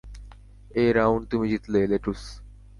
এই রাউন্ড তুমি জিতলে, লেটুস।